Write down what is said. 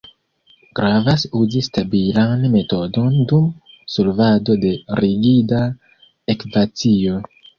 Gravas uzi stabilan metodon dum solvado de rigida ekvacio.